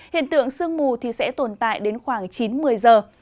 hiện tượng sương mù sẽ tồn tại đến khoảng chín một mươi giờ